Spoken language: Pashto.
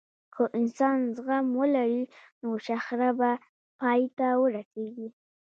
که انسان زغم ولري، نو شخړه به پای ته ورسیږي.